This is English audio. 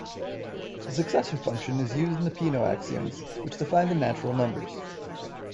The successor function is used in the Peano axioms which define the natural numbers.